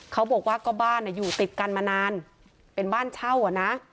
เขาบอกว่าก็บ้านอยู่ติดกันมานานเป็นบ้านเช่าอ่ะนะ